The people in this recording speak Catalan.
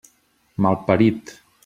Malparit!